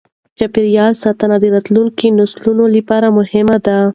چاپیریال ساتنه د راتلونکې نسلونو لپاره مهمه ده.